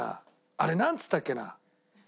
あれなんつったっけな？